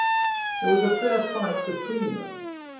There was a fair fight between them.